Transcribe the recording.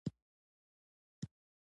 تر منګول یې څاڅکی څاڅکی تویېدلې